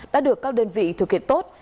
đã được các đơn vị thực hiện tốt